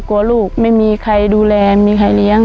กลัวลูกไม่มีใครดูแลคน